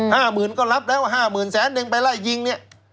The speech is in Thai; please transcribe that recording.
๕หมื่นก็รับแล้ว๕หมื่นแสนเด็งไปไล่ยิงเนี่ย